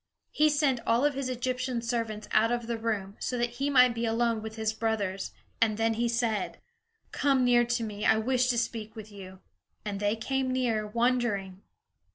He sent all of his Egyptian servants out of the room, so that he might be alone with his brothers, and then he said: "Come near to me; I wish to speak with you." And they came near, wondering.